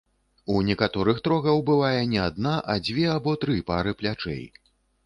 У некаторых трогаў бывае не адна, а дзве або тры пары плячэй.